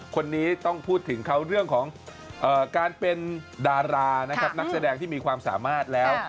คนนี้ต้องพูดถึงเขาเรื่องของการเป็นดารานะครับนักแสดงที่มีความสามารถแล้ว